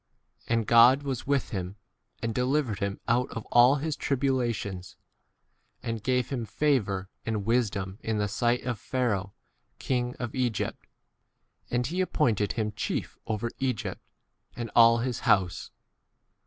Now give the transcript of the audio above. And God was with him, 10 and delivered him out of all his tribulations, and gave him favour and wisdom in the sight of Pharaoh king of Egypt, and he appointed him chief over Egypt and all his 11 house.